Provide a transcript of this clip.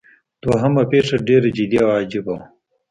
دوهمه پیښه ډیره جدي او عجیبه وه.